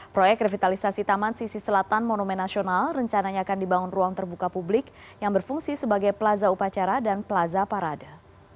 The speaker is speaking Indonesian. proyek revitalisasi taman sisi selatan monumen nasional rencananya akan dibangun ruang terbuka publik yang berfungsi sebagai plaza upacara dan plaza parade